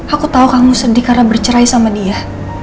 aku tahu kamu sedih karena bercerai sama dia